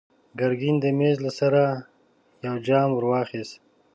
ګرګين د مېز له سره يو جام ور واخيست.